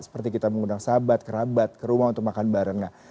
seperti kita mengundang sahabat kerabat kerumah untuk makan barengnya